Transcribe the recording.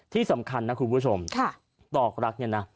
ที่สำคัญนะคุณผู้ชมดอกรักเนี่ยนะ